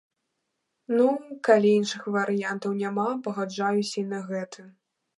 Ну, калі іншых варыянтаў няма, пагаджаюся і на гэта.